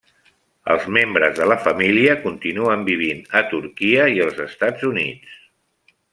Els membres de la família continuen vivint a Turquia i els Estats Units.